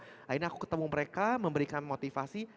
akhirnya aku ketemu mereka memberikan motivasi